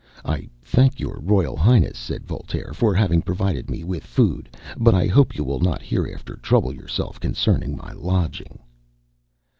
"I thank your royal highness," said Voltaire, "for having provided me with food; but I hope you will not hereafter trouble yourself concerning my lodging."